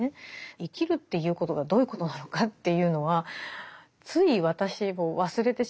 生きるっていうことがどういうことなのかというのはつい私も忘れてしまうんですよ。